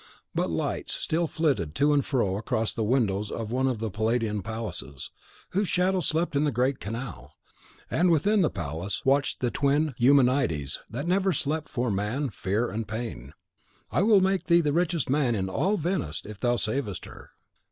But lights still flitted to and fro across the windows of one of the Palladian palaces, whose shadow slept in the great canal; and within the palace watched the twin Eumenides that never sleep for Man, Fear and Pain. "I will make thee the richest man in all Venice, if thou savest her."